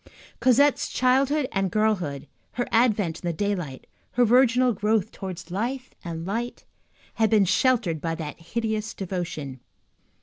Cosette's childhood and girlhood, her advent in the daylight, her virginal growth towards life and light, had been sheltered by that hideous devotion.